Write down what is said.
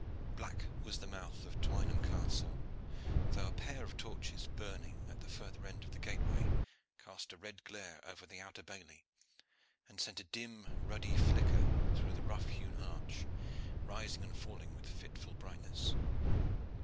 Black was the mouth of Twynham Castle, though a pair of torches burning at the further end of the gateway cast a red glare over the outer bailey, and sent a dim, ruddy flicker through the rough hewn arch, rising and falling with fitful brightness.